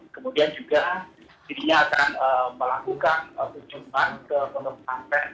kemudian juga dirinya akan melakukan perjumpaan ke kondok sangres